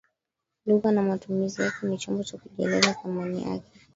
Lugha na matumizi yake ni chombo cha kujieleleza thamani yake